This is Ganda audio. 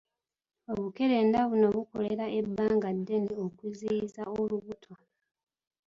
Obukerenda buno bukolera ebbanga ddene okuziyiza olubuto.